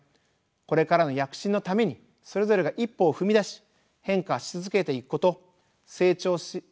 これからの躍進のためにそれぞれが一歩を踏み出し変化し続けていくこと成長し続けていくことです。